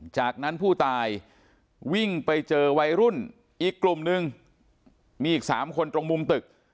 จากนั้นผู้ตายวิ่งไปเจอวัยรุ่นอีกกลุ่มนึงมีอีก๓คนตรงมุมตึก